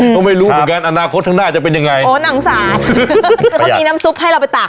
ก็ไม่รู้เหมือนกันอนาคตข้างหน้าจะเป็นยังไงโอ้หนังสารเขามีน้ำซุปให้เราไปตาก